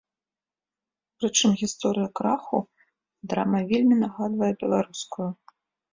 Прычым гісторыя краху драма вельмі нагадвае беларускую.